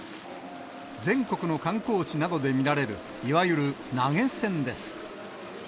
全国の観光地などで見られる、いわゆる投げ銭です。